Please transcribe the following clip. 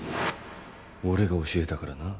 俺が教えたからな。